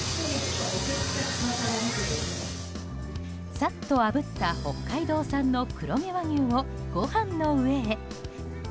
サッとあぶった北海道産の黒毛和牛をご飯の上へ。